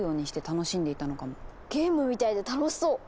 ゲームみたいで楽しそう！